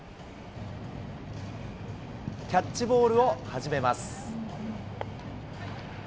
キャッチボールを始めます。